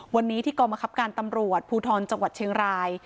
วันนี้ที่กรมคับการตำรวจภูทรจังหวัดเชียงราย